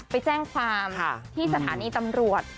ไปแจ้งความที่สถานีตำรวจ